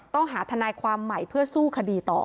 ต้องหาทนายความใหม่เพื่อสู้คดีต่อ